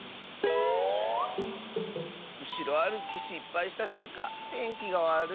うしろあるきしっぱいしたせいかてんきがわるいね。